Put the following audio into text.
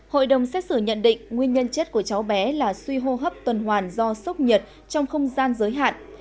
hội đồng xét xử nhận định nguyên nhân chết của cháu bé là suy hô hấp tuần hoàn do sốc nhiệt trong không gian giới hạn